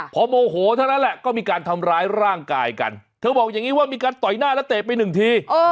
พอโมโหเท่านั้นแหละก็มีการทำร้ายร่างกายกันเธอบอกอย่างนี้ว่ามีการต่อยหน้าแล้วเตะไปหนึ่งที